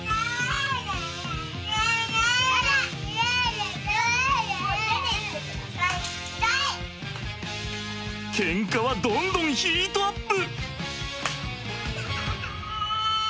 でもケンカはどんどんヒートアップ！